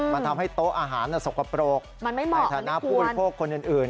มันทำให้โต๊ะอาหารสกปรกในฐานะผู้บริโภคคนอื่น